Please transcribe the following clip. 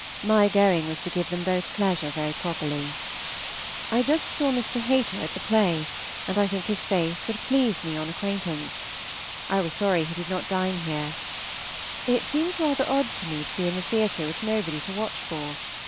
My going was to give them both pleasure very properly. I just saw Mr. Hayter at the play, and think his face would please me on acquaintance. I was sorry he did not dine here. It seemed rather odd to me to be in the theatre with nobody to watch for.